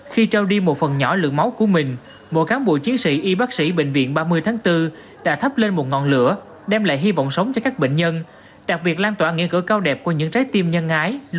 khi trao đi một phần nhỏ lượng máu của mình một cán bộ chiến sĩ y bác sĩ bệnh viện ba mươi tháng bốn đã thắp lên một ngọn lửa đem lại hy vọng sống cho các bệnh nhân